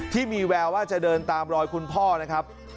ที่มีแววว่าจะเดินตามรอยคุณพ่อนะครับ